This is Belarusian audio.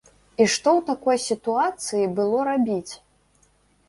І што ў такой сітуацыі было рабіць?